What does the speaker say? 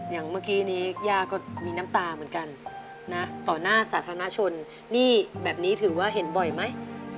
อย่างเมื่อกี้นี้ย่าก็มีน้ำตาเหมือนกันนะต่อหน้าสาธารณชนนี่แบบนี้ถือว่าเห็นบ่อยไหม